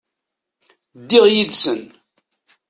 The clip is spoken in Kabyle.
Ddiɣ yid-sen.